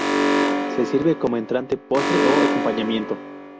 Se sirve como entrante, postre o acompañamiento.